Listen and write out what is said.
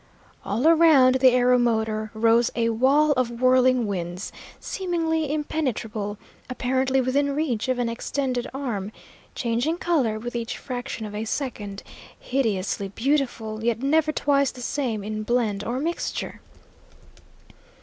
All around the aeromotor rose a wall of whirling winds, seemingly impenetrable, apparently within reach of an extended arm, changing colour with each fraction of a second, hideously beautiful, yet never twice the same in blend or mixture.